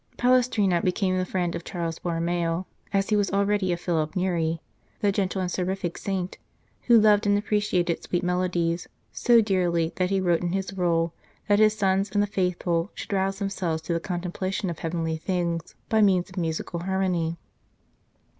Palestrina became the friend of Charles Borromeo, as he was already of Philip Neri, the gentle and seraphic saint who loved and appre ciated sweet melodies so dearly that he wrote in his rule " that his sons and the Faithful should rouse themselves to the contemplation of heavenly things by means of musical harmony."